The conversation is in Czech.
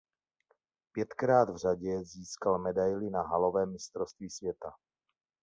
Pětkrát v řadě získal medaili na halovém mistrovství světa.